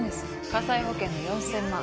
火災保険の４０００万